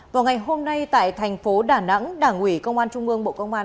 vào ngày hôm nay tại thành phố đà nẵng đảng ủy công an trung ương bộ công an